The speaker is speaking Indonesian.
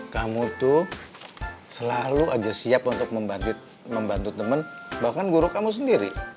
kamu tuh selalu aja siap untuk membantu teman bahkan guru kamu sendiri